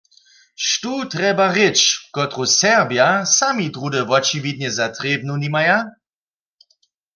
Štó trjeba rěč, kotruž Serbja sami druhdy wočiwidnje za trěbnu nimaja?